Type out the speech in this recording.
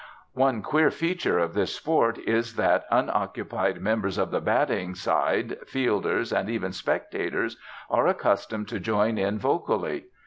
One queer feature of this sport is that unoccupied members of the batting side, fielders, and even spectators, are accustomed to join in vocally.